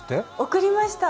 贈りました。